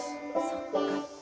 そっか。